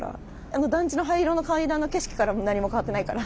あの団地の灰色の階段の景色からも何も変わってないから。